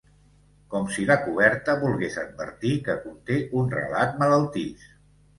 Com si la coberta volgués advertir que conté un relat malaltís.